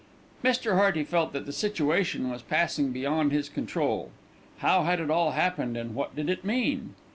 Mr. Hearty felt that the situation was passing beyond his control. How had it all happened and what did it mean?